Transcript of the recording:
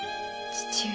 父上！